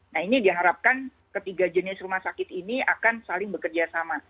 nah ini diharapkan ketiga jenis rumah sakit ini akan saling bekerja sama